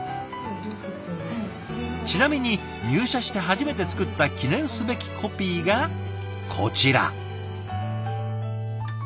ちなみに入社して初めて作った記念すべきコピーがこちら。